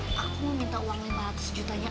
aku mau minta uang lima ratus jutanya